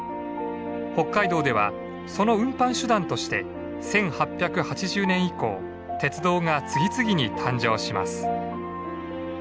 北海道ではその運搬手段として１８８０年以降鉄道が次々に誕生します。